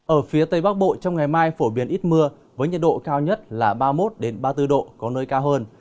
ở phía tây bắc bộ trong ngày mai phổ biến ít mưa với nhiệt độ cao nhất là ba mươi một ba mươi bốn độ có nơi cao hơn